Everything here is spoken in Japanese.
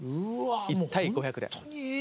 １対５００で。